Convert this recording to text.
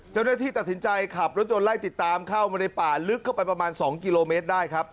เจ้าหน้าที่ตัดสินใจขับรถยนต์ไล่ติดตามเข้ามาในป่าลึกเข้าไปประมาณ๒กิโลเมตรได้ครับ